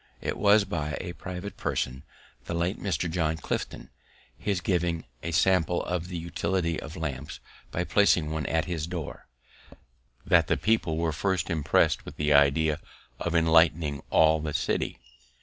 It was by a private person, the late Mr. John Clifton, his giving a sample of the utility of lamps, by placing one at his door, that the people were first impress'd with the idea of enlighting all the city.